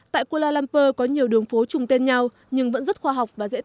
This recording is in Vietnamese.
tại kuala lumpur có nhiều đường phố chung tên nhau nhưng vẫn rất khoa học và dễ tìm